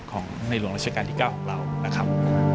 ของในหลวงราชการที่๙ของเรานะครับ